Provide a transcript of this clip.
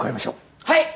はい！